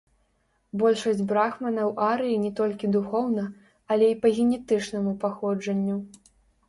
Большасць брахманаў арыі не толькі духоўна, але і па генетычнаму паходжанню.